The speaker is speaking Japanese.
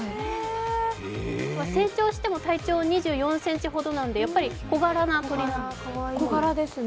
成長しても体長２４ｃｍほどなので、小柄な鳥なんですね。